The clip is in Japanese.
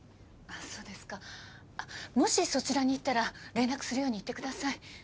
そうですかもしそちらに行ったら連絡するように言ってください